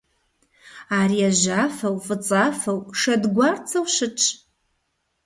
Ар яжьафэу, фӀыцӀафэу, шэдгуарцэу щытщ.